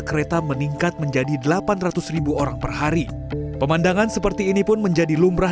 kereta meningkat menjadi delapan ratus orang perhari pemandangan seperti ini pun menjadi lumrah